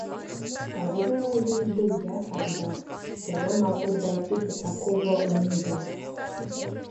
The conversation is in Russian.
Поверила ли бы я тогда, что я могу дойти до такого унижения?